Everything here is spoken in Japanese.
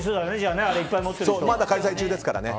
まだ開催中ですからね。